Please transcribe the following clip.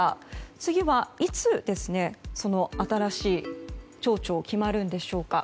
次は、いつ新しい町長が決まるんでしょうか。